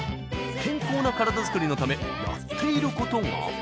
健康な体づくりのためやっていることが。